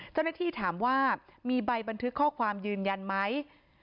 เจ้าหน้าที่ถามว่ามีใบบันทึกข้อความยืนยันไหม